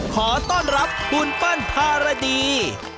ขอต้อนรับคุณเปิ้ลภารดี